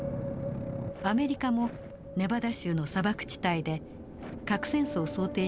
アメリカもネバダ州の砂漠地帯で核戦争を想定した実験を繰り返しました。